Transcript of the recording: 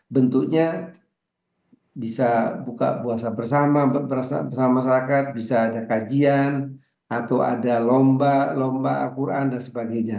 bentuknya bisa buka puasa bersama masyarakat bisa ada kajian atau ada lomba lomba al quran dan sebagainya